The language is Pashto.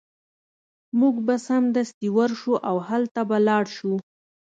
موږ به سمدستي ورشو او هلته به لاړ شو